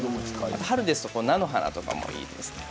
春ですと菜の花とかもいいですね。